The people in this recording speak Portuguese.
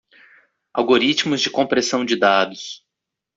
Algoritmos de compressão de dados.